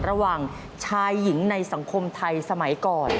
ความแตกต่างระหว่างชายหญิงในสังคมไทยสมัยก่อน